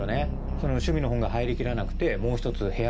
趣味の本が入り切らなくてもう１つ部屋